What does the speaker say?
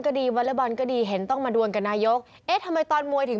กระสุนกำหนด